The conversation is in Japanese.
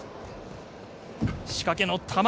仕掛けの球